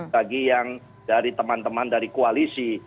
bagi yang dari teman teman dari koalisi